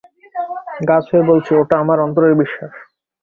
গা ছুঁয়ে বলছি ওটা আমার অন্তরের বিশ্বাস!